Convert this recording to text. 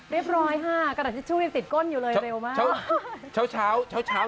เรียบร้อยค่ะกระดับชิ้นชู้ยังติดก้นอยู่เลยเร็วมาก